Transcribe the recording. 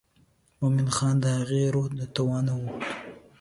مومن خان د هغې روح و د توانه ووته.